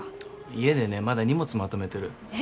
家でねまだ荷物まとめてるえっ！？